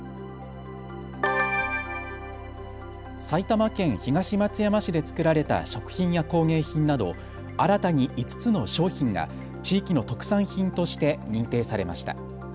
埼玉県東松山市で作られた食品や工芸品など新たに５つの商品が地域の特産品として認定されました。